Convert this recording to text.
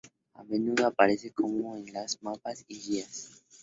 A menudo aparece como en los mapas y guías.